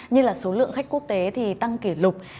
như là số lượng khách quốc tế thì tăng kỷ lục